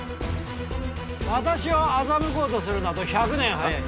私を欺こうとするなど１００年早い。